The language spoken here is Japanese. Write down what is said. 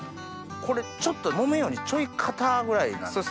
これちょっと木綿よりちょい硬ぐらいなんですかね？